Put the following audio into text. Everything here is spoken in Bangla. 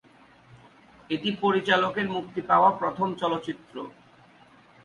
এটি পরিচালকের মুক্তি পাওয়া প্রথম চলচ্চিত্র।